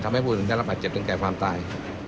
ทำให้ผู้อื่นได้รับหาเจ็บถึงแก่ความตาย